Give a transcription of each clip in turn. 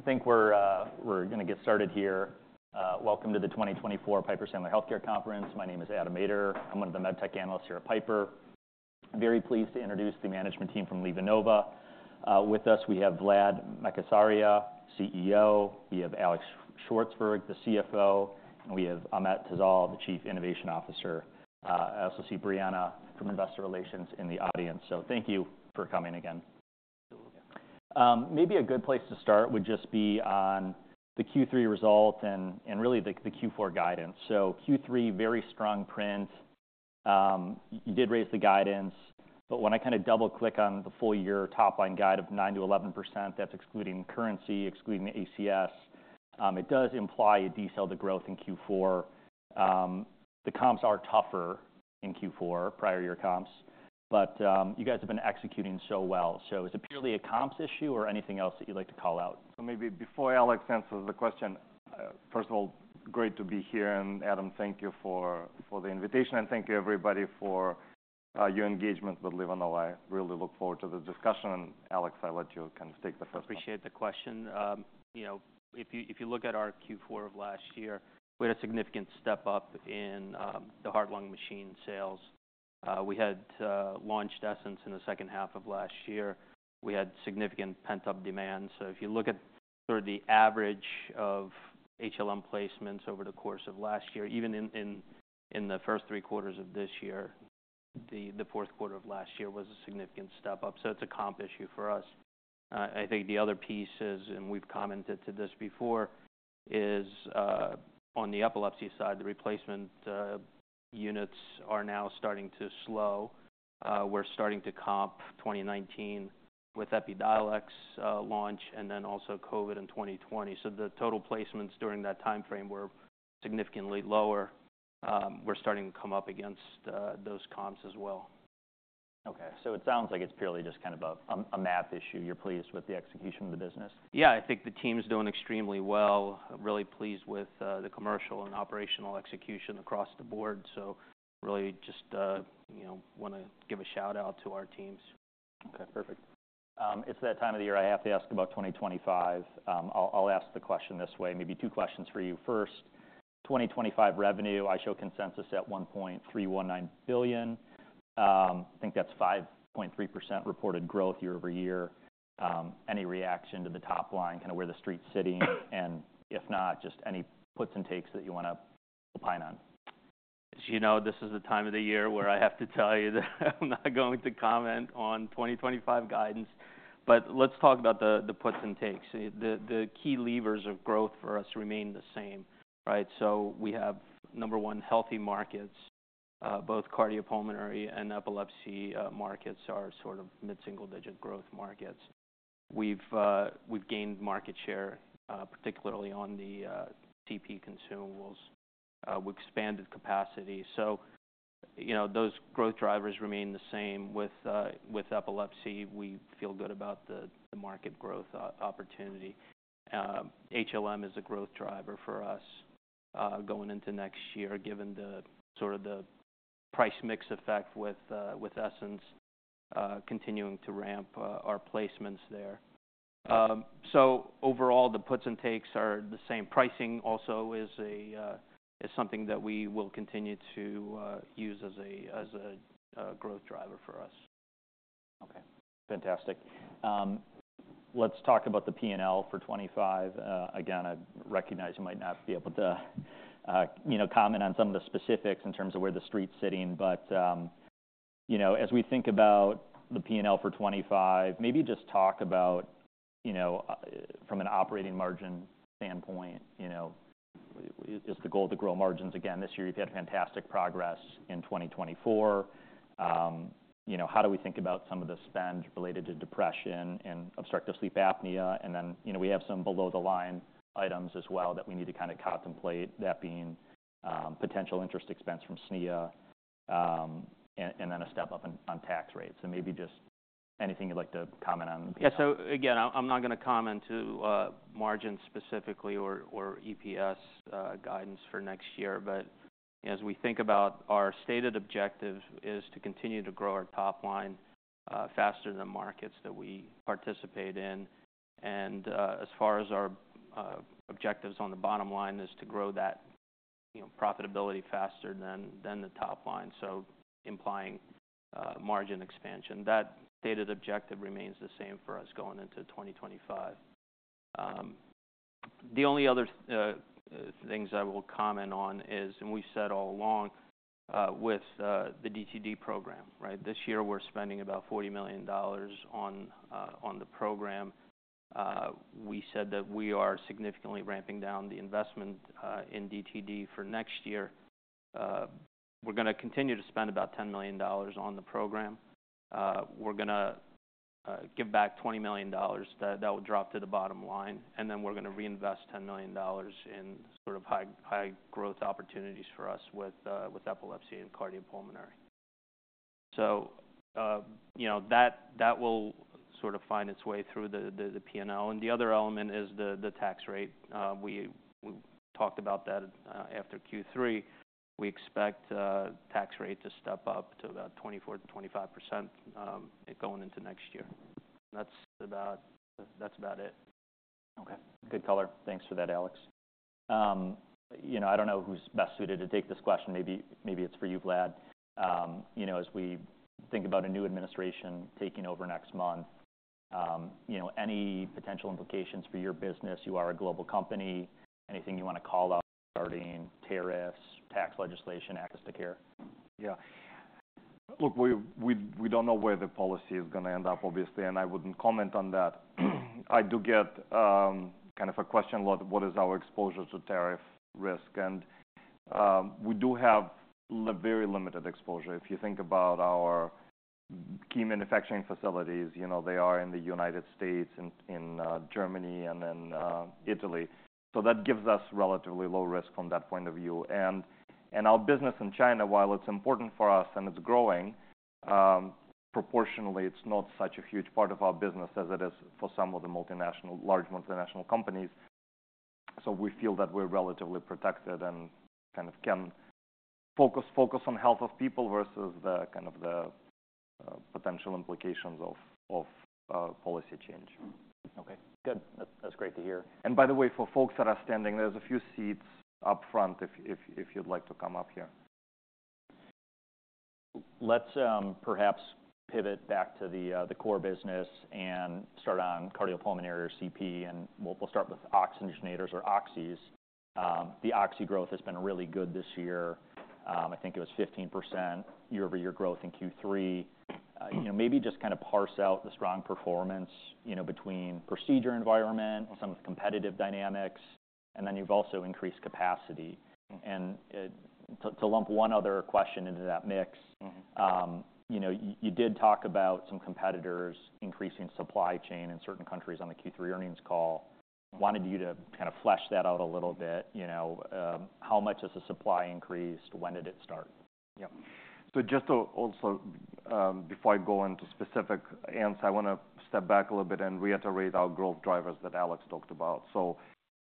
I think we're going to get started here. Welcome to the 2024 Piper Sandler Healthcare Conference. My name is Adam Maeder. I'm one of the med tech analysts here at Piper. I'm very pleased to introduce the management team from LivaNova. With us, we have Vladimir Makatsaria, CEO. We have Alex Shvartsburg, the CFO. And we have Ahmet Tezel, the Chief Innovation Officer. I also see Briana from Investor Relations in the audience. So thank you for coming again. Maybe a good place to start would just be on the Q3 result and really the Q4 guidance. So Q3, very strong print. You did raise the guidance. But when I kind of double-click on the full-year top-line guide of 9%-11%, that's excluding currency, excluding the ACS, it does imply a decel to growth in Q4. The comps are tougher in Q4, prior-year comps. But, you guys have been executing so well. So is it purely a comps issue or anything else that you'd like to call out? So maybe before Alex answers the question, first of all, great to be here. And Adam, thank you for the invitation. And thank you, everybody, for your engagement with LivaNova. I really look forward to the discussion. And Alex, I'll let you kind of take the first. Appreciate the question. You know, if you look at our Q4 of last year, we had a significant step up in the heart-lung machine sales. We had launched Essenz in the second half of last year. We had significant pent-up demand. So if you look at sort of the average of HLM placements over the course of last year, even in the first three quarters of this year, the fourth quarter of last year was a significant step up. So it's a comp issue for us. I think the other piece is, and we've commented on this before, is on the epilepsy side, the replacement units are now starting to slow. We're starting to comp 2019 with Epidiolex launch and then also COVID in 2020. So the total placements during that time frame were significantly lower. We're starting to come up against those comps as well. Okay. So it sounds like it's purely just kind of a math issue. You're pleased with the execution of the business? Yeah. I think the teams doing extremely well. Really pleased with the commercial and operational execution across the board. So really just, you know, want to give a shout-out to our teams. Okay. Perfect. It's that time of the year. I have to ask about 2025. I'll, I'll ask the question this way. Maybe two questions for you. First, 2025 revenue, I show consensus at $1.319 billion. I think that's 5.3% reported growth year over year. Any reaction to the top line, kind of where the street's sitting? And if not, just any puts and takes that you want to opine on. As you know, this is the time of the year where I have to tell you that I'm not going to comment on 2025 guidance, but let's talk about the puts and takes. The key levers of growth for us remain the same, right, so we have number one, healthy markets. Both cardiopulmonary and epilepsy markets are sort of mid-single-digit growth markets. We've gained market share, particularly on the CP consumables. We've expanded capacity. So you know, those growth drivers remain the same. With epilepsy, we feel good about the market growth opportunity. HLM is a growth driver for us, going into next year, given the sort of price mix effect with Essenz continuing to ramp our placements there, so overall the puts and takes are the same. Pricing also is something that we will continue to use as a growth driver for us. Okay. Fantastic. Let's talk about the P&L for 2025. Again, I recognize you might not be able to, you know, comment on some of the specifics in terms of where the street's sitting. But, you know, as we think about the P&L for 2025, maybe just talk about, you know, from an operating margin standpoint, you know, is the goal to grow margins again this year? You've had fantastic progress in 2024. You know, how do we think about some of the spend related to depression and obstructive sleep apnea? And then, you know, we have some below-the-line items as well that we need to kind of contemplate, that being, potential interest expense from SNIA, and, and then a step up on, on tax rates. And maybe just anything you'd like to comment on. Yeah. So again, I'm not going to comment on margins specifically or EPS guidance for next year. But as we think about our stated objective is to continue to grow our top line faster than markets that we participate in. And as far as our objectives on the bottom line is to grow that, you know, profitability faster than the top line, so implying margin expansion. That stated objective remains the same for us going into 2025. The only other things I will comment on is, and we've said all along, with the DTD program, right? This year, we're spending about $40 million on the program. We said that we are significantly ramping down the investment in DTD for next year. We're going to continue to spend about $10 million on the program. We're going to give back $20 million. That will drop to the bottom line. And then we're going to reinvest $10 million in sort of high growth opportunities for us with epilepsy and cardiopulmonary. So, you know, that will sort of find its way through the P&L. And the other element is the tax rate. We talked about that after Q3. We expect tax rate to step up to about 24%-25%, going into next year. That's about it. Okay. Good color. Thanks for that, Alex. You know, I don't know who's best suited to take this question. Maybe, maybe it's for you, Vlad. You know, as we think about a new administration taking over next month, you know, any potential implications for your business? You are a global company. Anything you want to call out regarding tariffs, tax legislation, access to care? Yeah. Look, we don't know where the policy is going to end up, obviously, and I wouldn't comment on that. I do get kind of a question: what is our exposure to tariff risk? and we do have very limited exposure. If you think about our key manufacturing facilities, you know, they are in the United States, in Germany, and then Italy. So that gives us relatively low risk from that point of view, and our business in China, while it's important for us and it's growing, proportionally, it's not such a huge part of our business as it is for some of the large multinational companies. So we feel that we're relatively protected and kind of can focus on health of people versus the potential implications of policy change. Okay. Good. That's great to hear. By the way, for folks that are standing, there's a few seats up front if you'd like to come up here. Let's perhaps pivot back to the core business and start on Cardiopulmonary or CP. We'll start with oxygenators or oxys. The oxy growth has been really good this year. I think it was 15% year-over-year growth in Q3. You know, maybe just kind of parse out the strong performance, you know, between procedure environment, some of the competitive dynamics, and then you've also increased capacity. To lump one other question into that mix. You know, you did talk about some competitors increasing supply chain in certain countries on the Q3 earnings call. Wanted you to kind of flesh that out a little bit. You know, how much has the supply increased? When did it start? Yeah. So just to also, before I go into specific answer, I want to step back a little bit and reiterate our growth drivers that Alex talked about. So,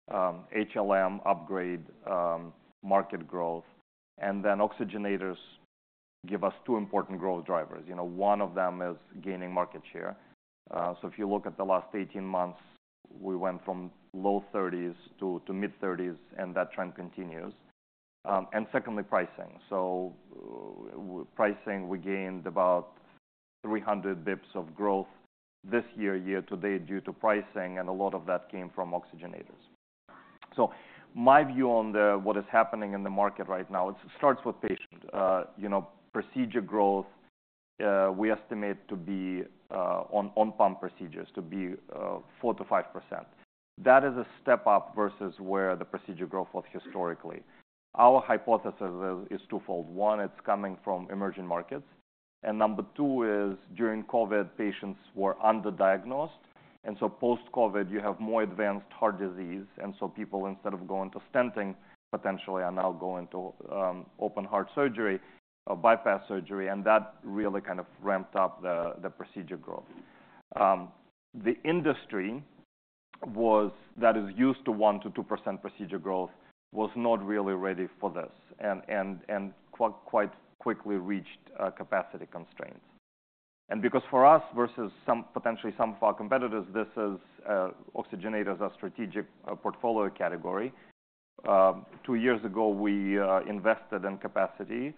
HLM upgrade, market growth. And then oxygenators give us two important growth drivers. You know, one of them is gaining market share. So if you look at the last 18 months, we went from low 30s to mid-30s, and that trend continues. And secondly, pricing. So, pricing, we gained about 300 basis points of growth this year to date due to pricing. And a lot of that came from oxygenators. So my view on what is happening in the market right now, it starts with patient. You know, procedure growth, we estimate to be on pump procedures to be 4%-5%. That is a step up versus where the procedure growth was historically. Our hypothesis is twofold. One, it's coming from emerging markets. Number two is during COVID patients were underdiagnosed, so post-COVID you have more advanced heart disease. So people, instead of going to stenting, potentially are now going to open heart surgery, bypass surgery. And that really kind of ramped up the procedure growth. The industry that is used to 1%-2% procedure growth was not really ready for this and quite quickly reached capacity constraints. And because for us versus some of our competitors, this is oxygenators are strategic portfolio category. Two years ago, we invested in capacity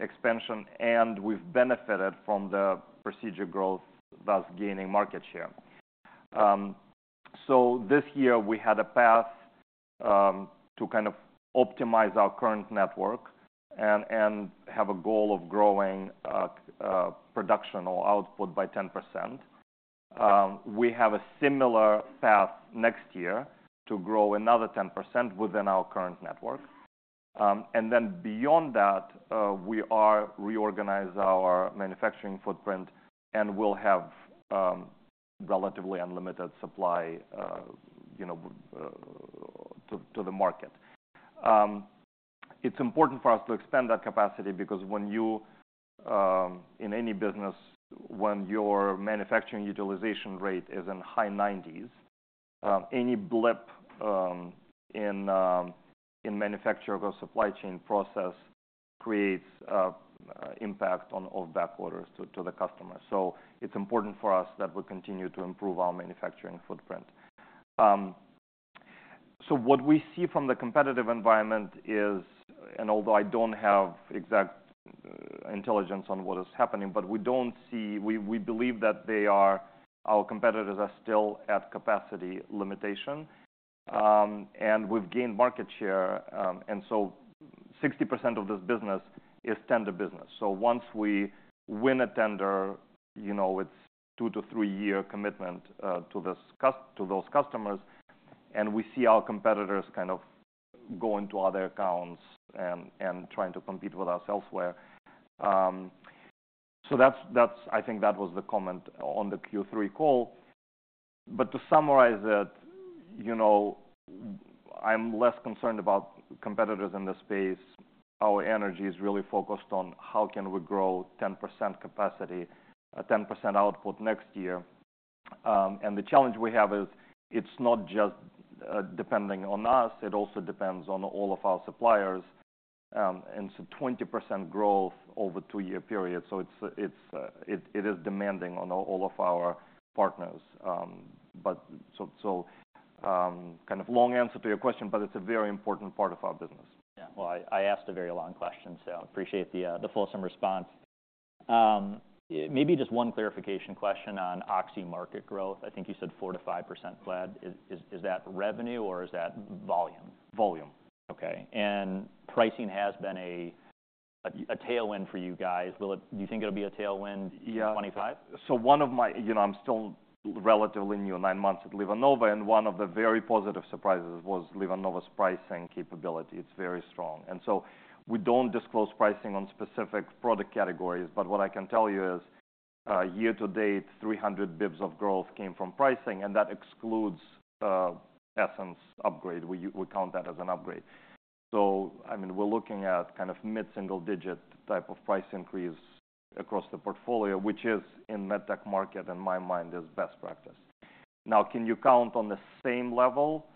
expansion. And we've benefited from the procedure growth, thus gaining market share, so this year we had a path to kind of optimize our current network and have a goal of growing production or output by 10%. We have a similar path next year to grow another 10% within our current network. And then beyond that, we are reorganizing our manufacturing footprint and we'll have relatively unlimited supply, you know, to the market. It's important for us to expand that capacity because when you, in any business, when your manufacturing utilization rate is in high 90s, any blip in manufacturing or supply chain process creates impact on back orders to the customer. So it's important for us that we continue to improve our manufacturing footprint. So what we see from the competitive environment is, and although I don't have exact intelligence on what is happening, but we don't see. We believe that they, our competitors, are still at capacity limitation. And we've gained market share. And so 60% of this business is tender business. So once we win a tender, you know, it's two- to three-year commitment to this customer to those customers. And we see our competitors kind of going to other accounts and trying to compete with us elsewhere. So that's, that's, I think, that was the comment on the Q3 call. But to summarize it, you know, I'm less concerned about competitors in this space. Our energy is really focused on how can we grow 10% capacity, 10% output next year. And the challenge we have is it's not just depending on us. It also depends on all of our suppliers. And so 20% growth over a two-year period. So it's demanding on all of our partners. But so kind of long answer to your question, but it's a very important part of our business. Yeah. Well, I asked a very long question, so I appreciate the fulsome response. Maybe just one clarification question on oxy market growth. I think you said 4%-5%, Vlad. Is that revenue or is that volume? Volume. Okay. And pricing has been a tailwind for you guys. Will it? Do you think it'll be a tailwind in 2025? Yeah. So one of my, you know, I'm still relatively new, nine months at LivaNova. And one of the very positive surprises was LivaNova's pricing capability. It's very strong. And so we don't disclose pricing on specific product categories. But what I can tell you is, year to date, 300 basis points of growth came from pricing. And that excludes Essenz upgrade. We count that as an upgrade. So, I mean, we're looking at kind of mid-single-digit type of price increase across the portfolio, which is in medtech market, in my mind, is best practice. Now, can you count on the same level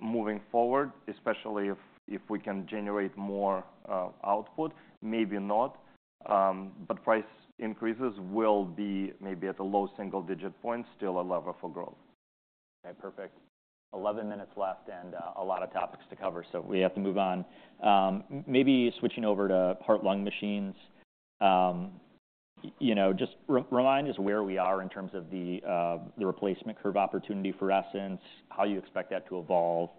moving forward, especially if we can generate more output? Maybe not. But price increases will be maybe at a low single-digit point, still a lever for growth. Okay. Perfect. 11 minutes left, and a lot of topics to cover. So we have to move on. Maybe switching over to heart-lung machines. You know, just remind us where we are in terms of the replacement curve opportunity for Essenz, how you expect that to evolve.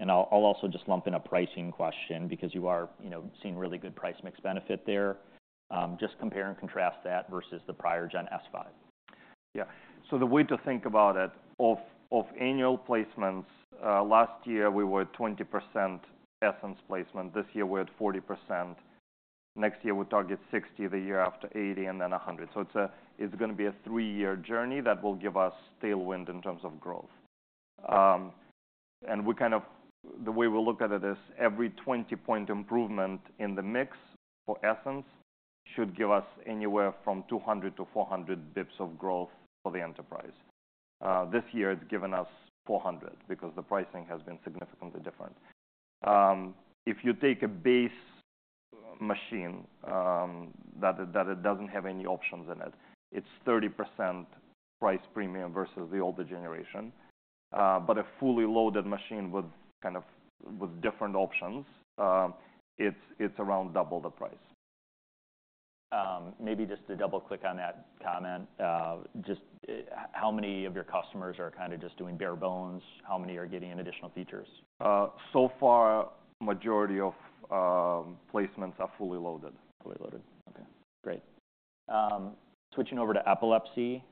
And I'll also just lump in a pricing question because you are, you know, seeing really good price mix benefit there. Just compare and contrast that versus the prior Gen S5. Yeah. So the way to think about it, of annual placements, last year we were at 20% Essenz placement. This year we're at 40%. Next year we target 60%, the year after 80%, and then 100%. So it's going to be a three-year journey that will give us tailwind in terms of growth, and the way we look at it is every 20-point improvement in the mix for Essenz should give us anywhere from 200-400 basis points of growth for the enterprise. This year it's given us 400 because the pricing has been significantly different. If you take a base machine, that it doesn't have any options in it, it's 30% price premium versus the older generation. But a fully loaded machine with kind of different options, it's around double the price. Maybe just to double-click on that comment, just how many of your customers are kind of just doing bare bones? How many are getting additional features? So far, majority of placements are fully loaded. Fully loaded. Okay. Great. Switching over to epilepsy.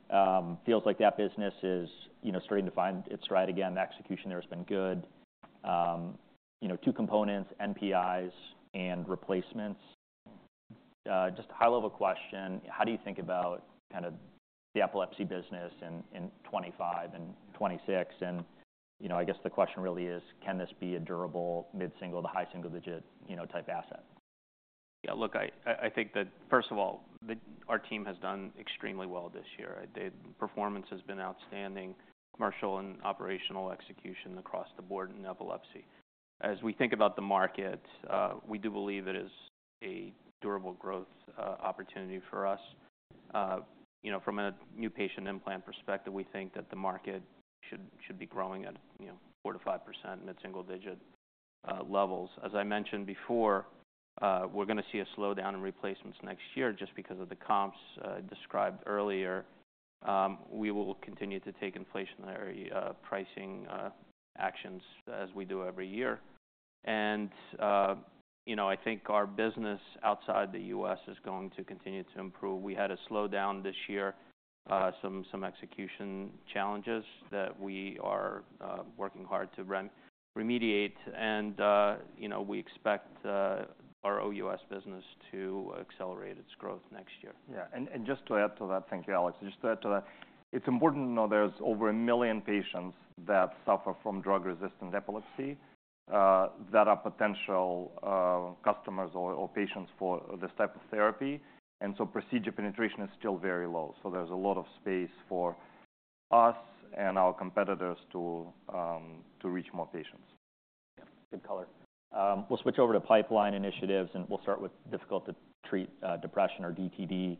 Feels like that business is, you know, starting to find its ride again. The execution there has been good. You know, two components, NPIs and replacements. Just a high-level question. How do you think about kind of the epilepsy business in 2025 and 2026? And, you know, I guess the question really is, can this be a durable mid-single-digit to high single-digit, you know, type asset? Yeah. Look, I think that first of all, our team has done extremely well this year. The performance has been outstanding, commercial and operational execution across the board in epilepsy. As we think about the market, we do believe it is a durable growth opportunity for us. You know, from a new patient implant perspective, we think that the market should be growing at, you know, 4%-5%, mid-single-digit levels. As I mentioned before, we're going to see a slowdown in replacements next year just because of the comps described earlier. We will continue to take inflationary pricing actions as we do every year. You know, I think our business outside the U.S. is going to continue to improve. We had a slowdown this year, some execution challenges that we are working hard to remediate. You know, we expect our OUS business to accelerate its growth next year. Yeah. And just to add to that, thank you, Alex. Just to add to that, it's important to know there's over a million patients that suffer from drug-resistant epilepsy, that are potential customers or patients for this type of therapy. And so procedure penetration is still very low. So there's a lot of space for us and our competitors to reach more patients. Yeah. Good color. We'll switch over to pipeline initiatives and we'll start with difficult-to-treat depression or DTD.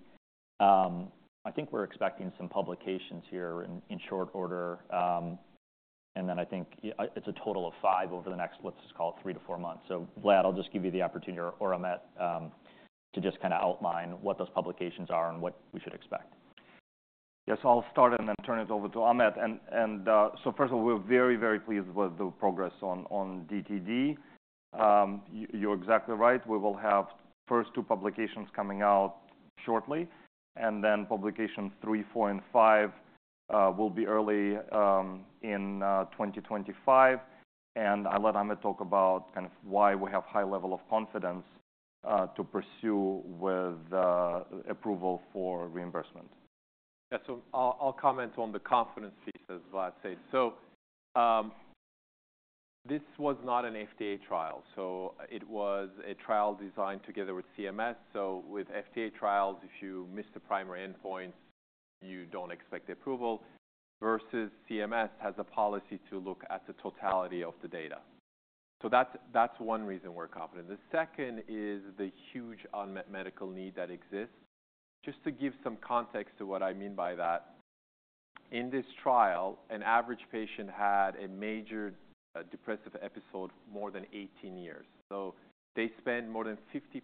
I think we're expecting some publications here in short order and then I think it's a total of five over the next, let's just call it three to four months. So, Vlad, I'll just give you the opportunity or Ahmet to just kind of outline what those publications are and what we should expect. Yes. I'll start and then turn it over to Ahmet. And so first of all, we're very, very pleased with the progress on DTD. You're exactly right. We will have first two publications coming out shortly. And then publication three, four, and five, will be early in 2025. And I'll let Ahmet talk about kind of why we have high level of confidence to pursue approval for reimbursement. Yeah. So I'll comment on the confidence piece as Vlad says, so this was not an FDA trial, so it was a trial designed together with CMS, so with FDA trials, if you miss the primary endpoints, you don't expect approval versus CMS has a policy to look at the totality of the data, so that's one reason we're confident. The second is the huge unmet medical need that exists. Just to give some context to what I mean by that, in this trial, an average patient had a major depressive episode more than 18 years, so they spend more than 50%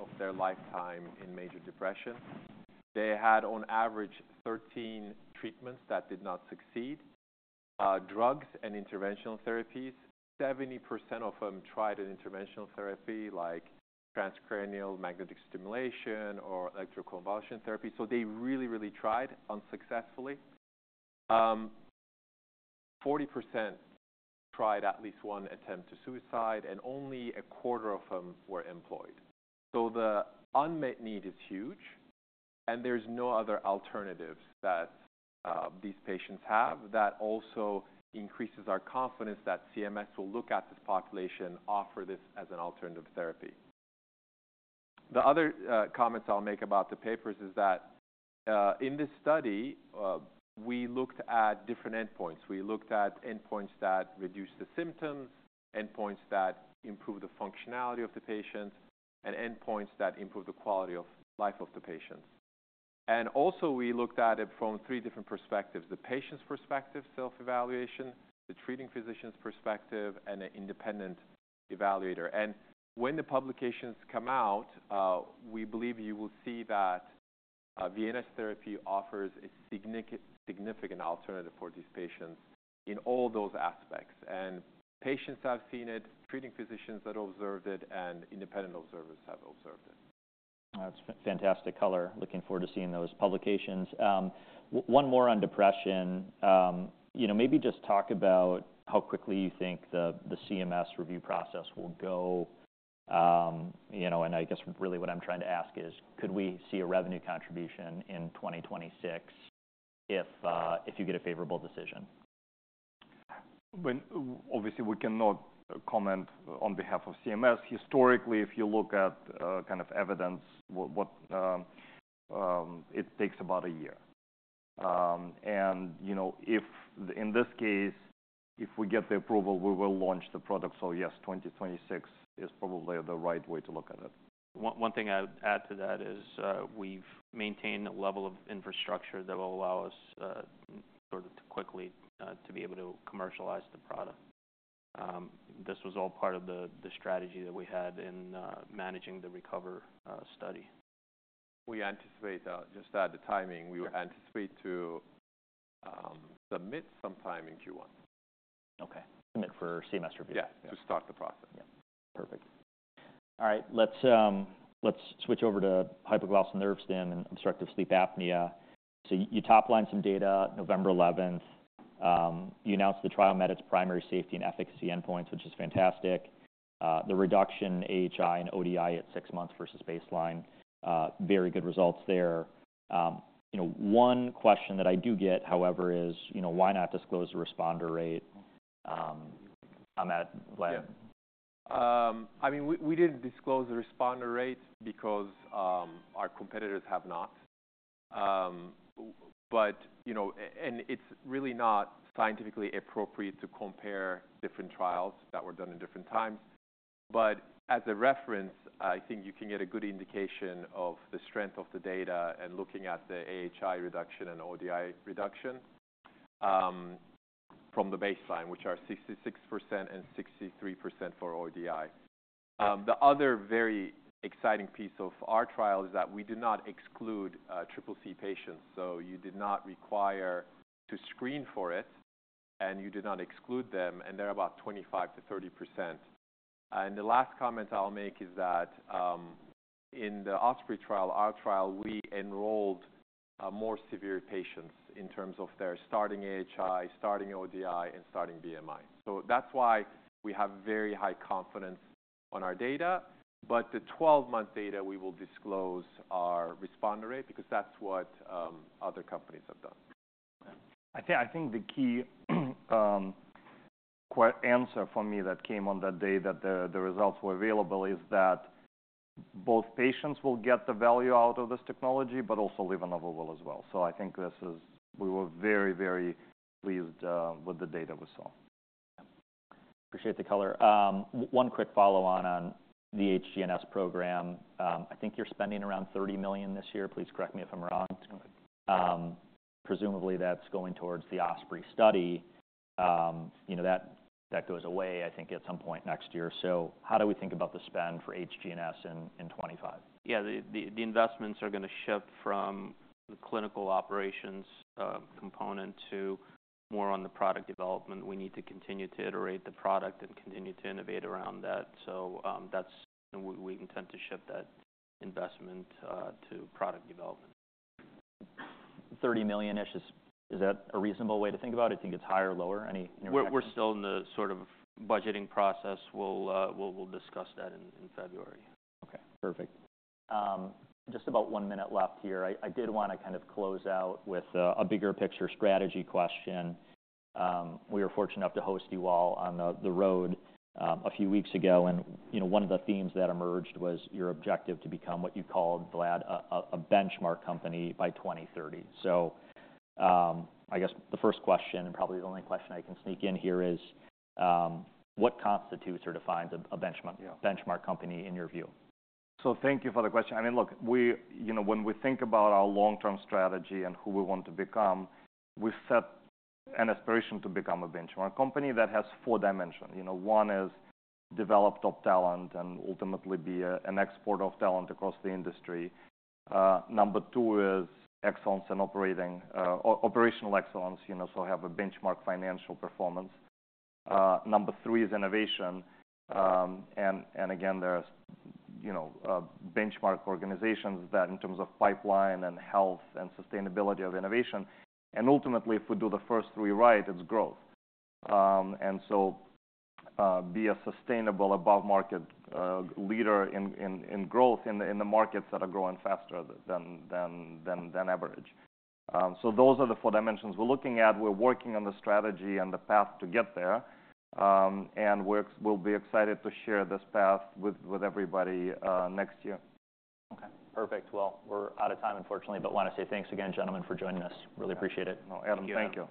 of their lifetime in major depression. They had, on average, 13 treatments that did not succeed, drugs and interventional therapies. 70% of them tried an interventional therapy like transcranial magnetic stimulation or electroconvulsive therapy, so they really, really tried unsuccessfully. 40% tried at least one attempt to suicide. And only a quarter of them were employed. So the unmet need is huge. And there's no other alternatives that these patients have that also increases our confidence that CMS will look at this population, offer this as an alternative therapy. The other comments I'll make about the papers is that in this study, we looked at different endpoints. We looked at endpoints that reduce the symptoms, endpoints that improve the functionality of the patients, and endpoints that improve the quality of life of the patients. And also, we looked at it from three different perspectives: the patient's perspective, self-evaluation, the treating physician's perspective, and an independent evaluator. And when the publications come out, we believe you will see that VNS Therapy offers a significant, significant alternative for these patients in all those aspects. Patients have seen it, treating physicians that observed it, and independent observers have observed it. That's fantastic color. Looking forward to seeing those publications. One more on depression. You know, maybe just talk about how quickly you think the CMS review process will go. You know, and I guess really what I'm trying to ask is, could we see a revenue contribution in 2026 if you get a favorable decision? When obviously we cannot comment on behalf of CMS. Historically, if you look at kind of evidence, what it takes about a year, and you know, if in this case, if we get the approval, we will launch the product, so yes, 2026 is probably the right way to look at it. One thing I'd add to that is, we've maintained a level of infrastructure that will allow us, sort of, to quickly be able to commercialize the product. This was all part of the strategy that we had in managing the RECOVER study. Just add the timing. We anticipate to submit sometime in Q1. Okay. Submit for CMS review. Yeah. To start the process. Yeah. Perfect. All right. Let's, let's switch over to hypoglossal nerve stim and obstructive sleep apnea. So you toplined some data November 11th. You announced the trial met its primary safety and efficacy endpoints, which is fantastic. The reduction in AHI and ODI at six months versus baseline, very good results there. You know, one question that I do get, however, is, you know, why not disclose the responder rate? Ahmet, Vlad. Yeah. I mean, we didn't disclose the responder rate because our competitors have not. But you know, and it's really not scientifically appropriate to compare different trials that were done in different times. But as a reference, I think you can get a good indication of the strength of the data and looking at the AHI reduction and ODI reduction from the baseline, which are 66% and 63% for ODI. The other very exciting piece of our trial is that we did not exclude triple C patients. So you did not require to screen for it. And you did not exclude them. And they're about 25%-30%. And the last comment I'll make is that in the OSPREY trial, our trial, we enrolled more severe patients in terms of their starting AHI, starting ODI, and starting BMI. So that's why we have very high confidence on our data. But the 12-month data we will disclose our responder rate because that's what other companies have done. Okay. I think the key question for me that came on that day that the results were available is that both patients will get the value out of this technology but also LivaNova as well. I think we were very, very pleased with the data we saw. Yeah. Appreciate the color. One quick follow-on on the HGNS program. I think you're spending around $30 million this year. Please correct me if I'm wrong. Presumably that's going towards the OSPREY study. You know, that goes away, I think, at some point next year. So how do we think about the spend for HGNS in 2025? Yeah. The investments are going to shift from the clinical operations component to more on the product development. We need to continue to iterate the product and continue to innovate around that. So, we intend to shift that investment to product development. $30 million-ish is that a reasonable way to think about it? Do you think it's high or lower? Any intervention? We're still in the sort of budgeting process. We'll discuss that in February. Okay. Perfect. Just about one minute left here. I did want to kind of close out with a bigger picture strategy question. We were fortunate enough to host you all on the road a few weeks ago. And, you know, one of the themes that emerged was your objective to become what you called, Vlad, a benchmark company by 2030. So, I guess the first question and probably the only question I can sneak in here is, what constitutes or defines a benchmark company in your view? So thank you for the question. I mean, look, we, you know, when we think about our long-term strategy and who we want to become, we set an aspiration to become a benchmark company that has four dimensions. You know, one is develop top talent and ultimately be an export of talent across the industry. Number two is excellence in operating, operational excellence, you know, so have a benchmark financial performance. Number three is innovation. And again, there's, you know, benchmark organizations that in terms of pipeline and health and sustainability of innovation. And ultimately, if we do the first three right, it's growth. And so, be a sustainable above-market leader in growth in the markets that are growing faster than average. So those are the four dimensions we're looking at. We're working on the strategy and the path to get there. And we're, we'll be excited to share this path with everybody next year. Okay. Perfect. Well, we're out of time, unfortunately. But want to say thanks again, gentlemen, for joining us. Really appreciate it. No, Adam, thank you.